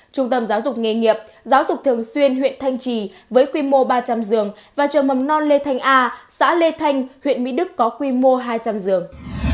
trung tâm giáo dục nghề nghiệp giáo dục thường xuyên huyện thanh trì với quy mô ba trăm linh giường và trường mầm non lê thanh a xã lê thanh huyện mỹ đức có quy mô hai trăm linh giường